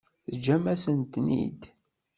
Teǧǧam-asen-ten-id.